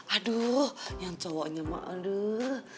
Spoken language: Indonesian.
aduh yang cowoknya mah aduh